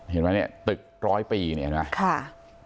เห็นมั้ยเนี่ยตึก๑๐๐ปีเนี่ยเห็นมั้ย